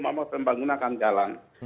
maka pembangunan akan jalan